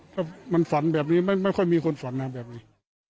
ถ้ามันฝันแบบนี้ไม่ค่อยมีคนฝันนะแบบนี้